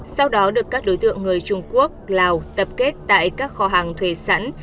sau đó được các đối tượng người trung quốc lào tập kết tại các kho hàng thuê sẵn